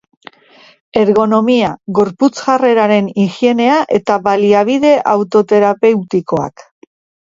Ergonomia, gorputz jarreraren higienea eta baliabide autoterapeutikoak